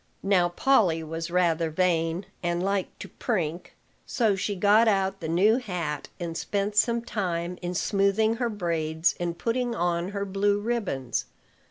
Now Polly was rather vain, and liked to prink; so she got out the new hat, and spent some time in smoothing her braids and putting on her blue ribbons.